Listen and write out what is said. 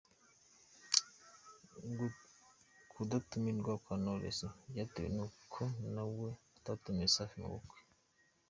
Ku datumirwa kwa knowless byatewe n’uko nawe atatumiye Safi mu bukwe.